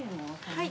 はい。